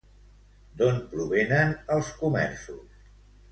D'on provenen els comerços?